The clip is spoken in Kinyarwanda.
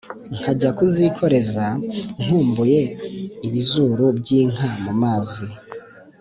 nkajya kuzikoreza nkumbuye ibizuru byinka mumazi